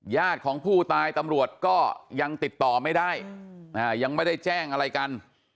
ญาติของผู้ตายตำรวจก็ยังติดต่อไม่ได้ยังไม่ได้แจ้งอะไรกัน